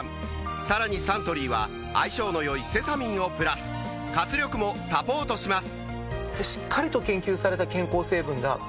さらにサントリーは相性の良いセサミンをプラス活力もサポートします